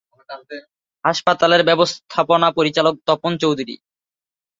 হাসপাতালের ব্যবস্থাপনা পরিচালক তপন চৌধুরী।